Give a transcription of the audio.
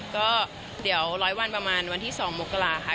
ก็เดี๋ยว๑๐๐วันประมาณวันที่๒มกราค่ะ